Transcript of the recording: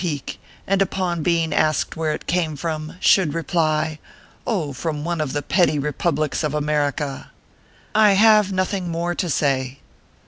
41 peak, and upon being asked where it came from, should reply : Oh, from one of the petty republics of America/ I have nothing more to say."